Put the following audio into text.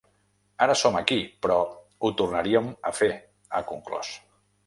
Ara som aquí, però ho tornaríem a fer, ha conclòs.